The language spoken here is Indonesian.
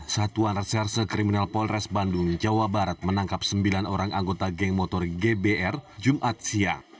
satuan reserse kriminal polres bandung jawa barat menangkap sembilan orang anggota geng motor gbr jumat siang